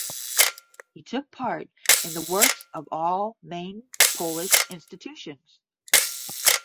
He took part in the works of all main Polish institutions.